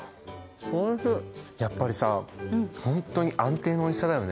やっぱりさ本当に安定のおいしさだよね。